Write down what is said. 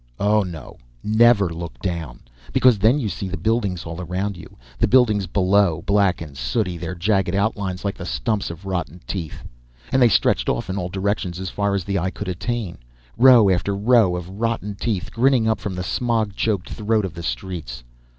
Oh, no, never look down, because then you'd see the buildings all around you. The buildings below, black and sooty, their jagged outlines like the stumps of rotten teeth. And they stretched off in all directions, as far as the eye could attain; row after row of rotten teeth grinning up from the smog choked throat of the streets.